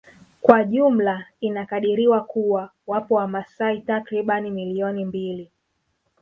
Kwa jumla inakadiriwa kuwa wapo wamasai takribani milioni mbili